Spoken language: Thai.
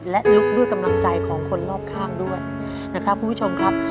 และลุกด้วยกำลังใจของคนรอบข้างด้วยนะครับคุณผู้ชมครับ